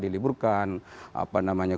diliburkan apa namanya